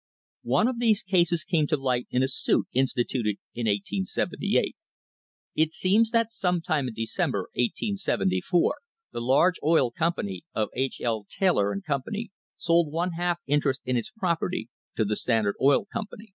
One of these cases came to light in a suit instituted in 1878. It seems that some time in Decem ber, 1874, me l ar g e oil company of H. L. Taylor and Company sold one half interest in its property to the Standard Oil Com pany.